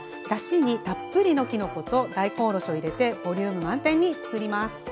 だしにたっぷりのきのこと大根おろしを入れてボリューム満点に作ります。